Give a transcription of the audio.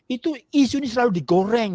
itu isu ini selalu digoreng